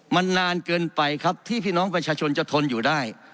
มันนานเกินไปครับที่พี่น้องประชาชนจะทนอยู่ได้